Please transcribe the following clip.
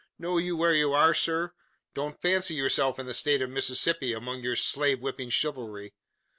Know you where you are, sir? Don't fancy yourself in the state of Mississippi among your slave whipping chivalry.